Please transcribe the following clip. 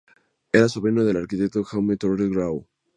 Era sobrino del arquitecto Jaume Torres i Grau.